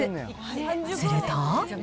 すると。